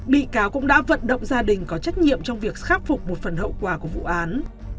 bị cáo cũng đã vận động gia đình có trách nhiệm trong việc khắc phục một phần hậu quả của vụ án